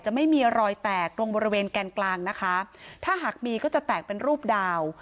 ไม่มีรอยแตกตรงบริเวณแกนกลางนะคะถ้าหากมีก็จะแตกเป็นรูปดาว